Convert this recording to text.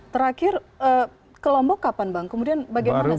terakhir ke lombok kapan bang kemudian bagaimana